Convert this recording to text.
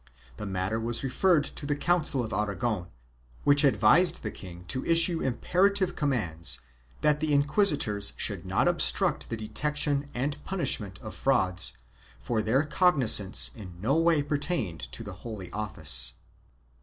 The matter was referred to the Council of Aragon, which advised the king to issue imperative commands that the inquisitors should not obstruct the detection and punish ment of frauds, for their cognizance in no way pertained to the Holy Office.